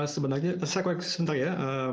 sebenarnya saya sebentar ya